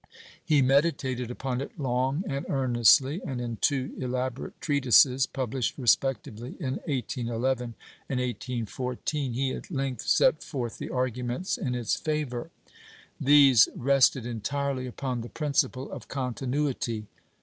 He meditated upon it long and earnestly, and in two elaborate treatises, published respectively in 1811 and 1814, he at length set forth the arguments in its favour. These rested entirely upon the "principle of continuity."